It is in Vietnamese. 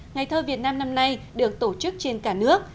ngày thơ việt nam năm nay được tổ chức trên cả nước